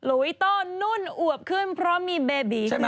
หลุยต้อนุ่นอวบขึ้นเพราะมีเบบี